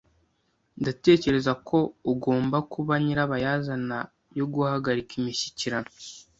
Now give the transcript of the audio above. Ndatekereza ko ugomba kuba nyirabayazana yo guhagarika imishyikirano.